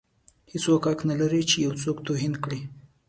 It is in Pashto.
هیڅوک حق نه لري چې یو څوک توهین کړي.